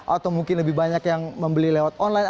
atau mungkin lebih banyak yang membeli lewat online